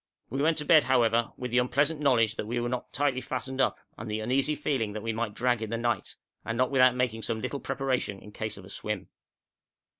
We went to bed, however, with the unpleasant knowledge that we were not very tightly fastened up, and the uneasy feeling that we might drag in the night, and not without making some little preparation in case of a swim.